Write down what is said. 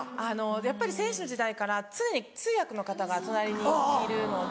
やっぱり選手の時代から常に通訳の方が隣にいるので。